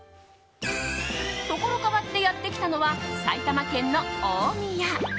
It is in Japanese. ところ変わってやってきたのは埼玉県の大宮。